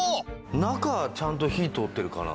中ちゃんと火通ってるかな？